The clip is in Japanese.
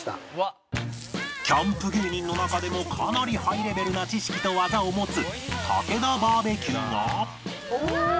キャンプ芸人の中でもかなりハイレベルな知識と技を持つたけだバーベキューが